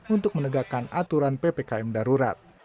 untuk menegakkan aturan ppkm darurat